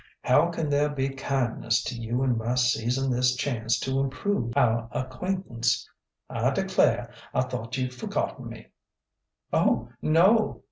How can there be kindness to you in my seizing this chance to improve our acquaintance? I declare, I thought you'd forgotten me!" "Oh, no!"